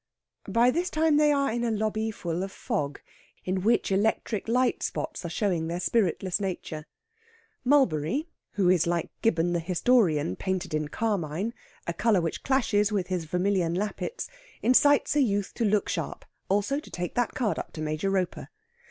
By this time they are in a lobby full of fog, in which electric light spots are showing their spiritless nature. Mulberry, who is like Gibbon the historian painted in carmine (a colour which clashes with his vermilion lappets), incites a youth to look sharp; also, to take that card up to Major Roper.